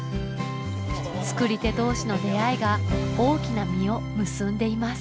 作り手同士の出会いが大きな実を結んでいます